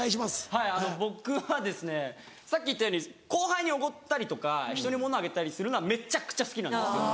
はい僕はさっき言ったように後輩におごったりとか人に物あげたりするのはめちゃくちゃ好きなんですよ。